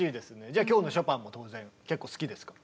じゃあ今日のショパンも当然結構好きですか。